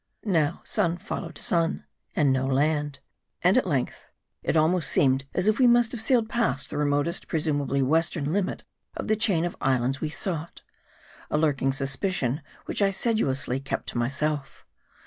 * Now sun followed sun ; and no land. And at length it almost seemed as if we must have sailed past the remotest presumable westerly limit of the chain of islands we sought ; a lurking suspicion which I sedulously kept to myself.